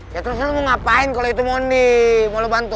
ya terus lo mau ngapain kalo itu mondi mau lo bantuin